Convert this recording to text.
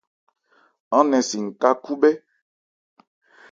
Aán nɛn si n-ká khúbhɛ́.